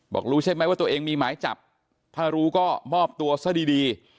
บอกรู้ใช่ไหมว่าตัวเองมีหมายจับถ้ารู้ก็มอบตัวซะดีดี